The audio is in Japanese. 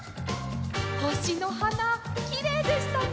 ほしのはなきれいでしたね！